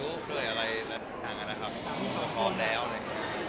หรืออะไร